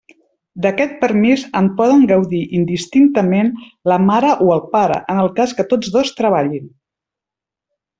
D'aquest permís en poden gaudir indistintament la mare o el pare en el cas que tots dos treballin.